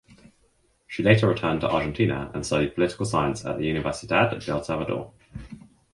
She later returned to Argentina and studied Political Science at the Universidad del Salvador.